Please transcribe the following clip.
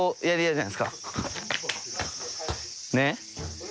ねっ。